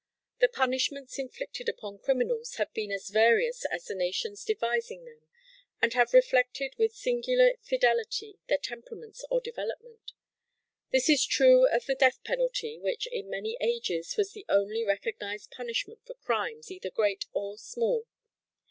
The punishments inflicted upon criminals have been as various as the nations devising them, and have reflected with singular fidelity their temperaments or development. This is true of the death penalty which in many ages was the only recognized punishment for crimes either great or small.